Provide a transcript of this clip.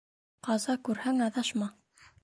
Ҡаза күрһәң аҙашма.